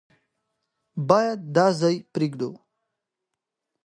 بايد دا ځای پرېږدو.